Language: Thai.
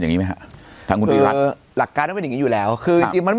เป็นอย่างนี้ไหมฮะคือหลักการเป็นอย่างงี้อยู่แล้วคือจริงจริงมัน